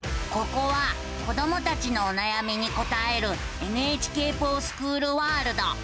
ここは子どもたちのおなやみに答える「ＮＨＫｆｏｒＳｃｈｏｏｌワールド」。